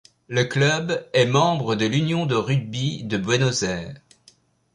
Le club est membre de l'Unión de Rugby de Buenos Aires.